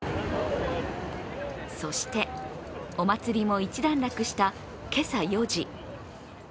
そして、お祭りも一段落した今朝４時。